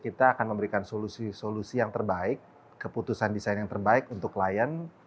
kita akan memberikan solusi solusi yang terbaik keputusan desain yang terbaik untuk klien